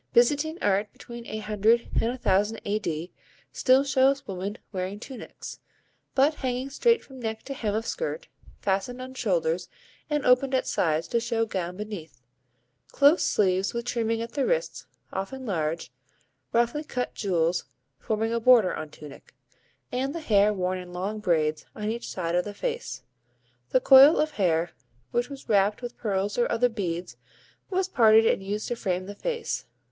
Byzantine art between 800 and 1000 A. D. still shows women wearing tunics, but hanging straight from neck to hem of skirt, fastened on shoulders and opened at sides to show gown beneath; close sleeves with trimming at the wrists, often large, roughly cut jewels forming a border on tunic, and the hair worn in long braids on each side of the face; the coil of hair, which was wrapped with pearls or other beads, was parted and used to frame the face.